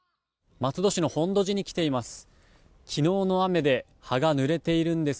松戸市の本土寺に来ています。